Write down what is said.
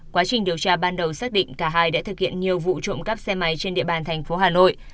quá trình điều tra ban đầu xác định cả hai đã thực hiện nhiều vụ trộm cắp xe máy trên địa bàn thành phố hà nội